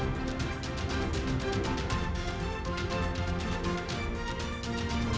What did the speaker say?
pemilu terpercaya di cnn indonesia